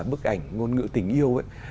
bức ảnh ngôn ngữ tình yêu